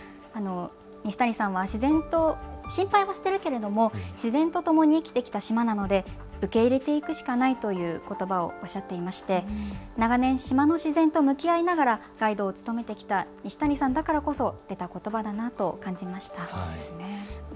西谷さんは心配はしてるけれども自然とともに生きてきた島なので受け入れていくしかないということばをおっしゃっていまして長年、島の自然と向き合いながらガイドを務めてきた西谷さんだからこそ出たことばだなと感じました。